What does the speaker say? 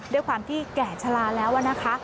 ด้วยความที่แก่ชะลาแล้วนะคะ